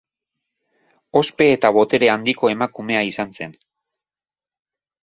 Ospe eta botere handiko emakumea izan zen.